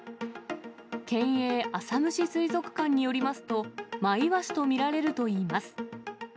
県営浅虫水族館によりますと、マイワシと見られるといいます。